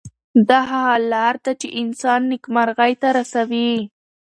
دا هغه لار ده چې انسان نیکمرغۍ ته رسوي.